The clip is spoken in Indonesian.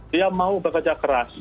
dia mau bekerja keras